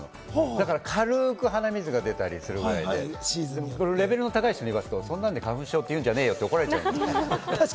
だから軽く鼻水が出たりするぐらいで、レベルの高い人がいたら、そんなの花粉じゃねえよ！って叱られちゃう。